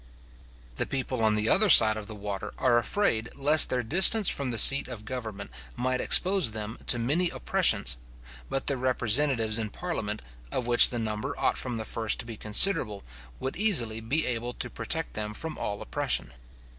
The people on the other side of the water are afraid lest their distance from the seat of government might expose them to many oppressions; but their representatives in parliament, of which the number ought from the first to be considerable, would easily be able to protect them from all oppression.